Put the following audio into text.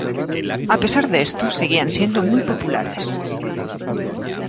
A pesar de esto, seguían siendo muy populares.